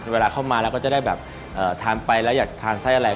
เวลาเข้ามาเราก็จะได้แบบทานไปแล้วอยากทานไส้อะไร